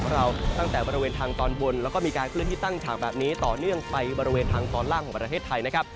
แล้วก็มีการเคลื่อนที่ตั้งฉากแบบนี้ต่อเนื่องไปบริเวณทางตอนล่างของประเทศไทยนะครับ